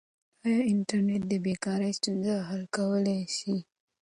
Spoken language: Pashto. آیا انټرنیټ د بې کارۍ ستونزه حل کولای سي؟